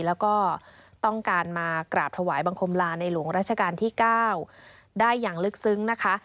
แล้วก็ต้องการมากราบถวายบังคมลาในหลวงราชการที่๙ได้อย่างลึกซึ้งนะคะ